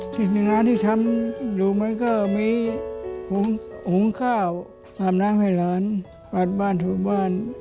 จิตย์ในงานที่ทำอยู่มันก็มีหงคาวทำน้ำให้หลานปลาดบ้านถูกบ้าน